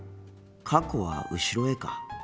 過去は後ろへか。